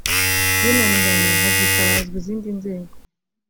binaniranye hazitabazwa izindi nzego